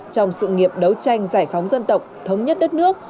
trong sự nghiệp đấu tranh giải phóng dân tộc thống nhất đất nước